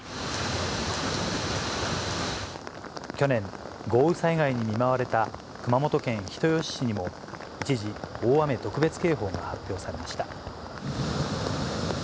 去年、豪雨災害に見舞われた熊本県人吉市にも、一時、大雨特別警報が発表されました。